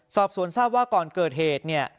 สอบสวนทราบว่าก่อนเกิดเหตุเนี่ย